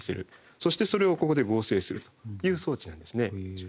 そしてそれをここで合成するという装置なんですね。